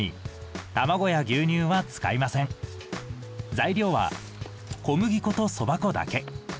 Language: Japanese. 材料は小麦粉とそば粉だけ。